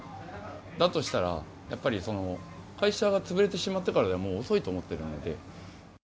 だとしたら、やっぱり会社が潰れてしまってからでは、もう遅いと思ってるので。